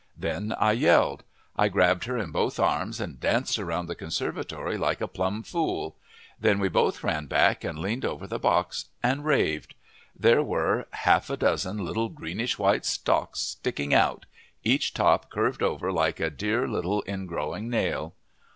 Then I yelled. I grabbed her in both arms and danced around the conservatory like a plumb fool. Then we both ran back and leaned over the box, and raved. There were half a dozen little greenish white stalks sticking out, each top curved over like a dear little ingrowing nail.